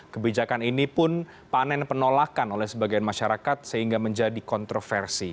kebijakan ini pun panen penolakan oleh sebagian masyarakat sehingga menjadi kontroversi